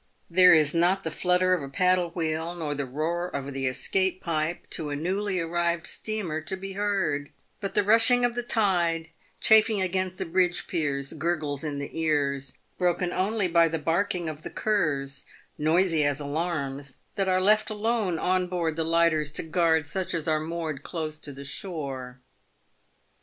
There is not the flutter of a paddle wheel, nor the roar of the escape pipe to a newly arrived steamer to be heard ; but the rushing of the tide chafing against the bridge piers gurgles in the ears, broken only by the barking of the curs — noisy as alarums — that are left alone on board the lighters to guard such as are moored close to the shore.